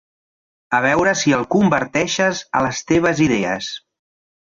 A veure si el converteixes a les teves idees.